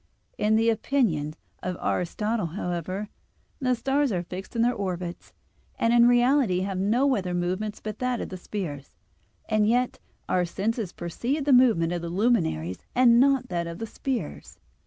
In the opinion of Aristotle, however, the stars are fixed in their orbits, and in reality have no other movement but that of the spheres; and yet our senses perceive the movement of the luminaries and not that of the spheres (De Coel.